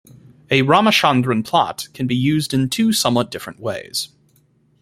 A Ramachandran plot can be used in two somewhat different ways.